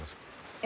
え？